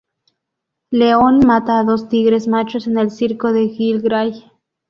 León mata a dos tigres machos en el circo de Gil Gray.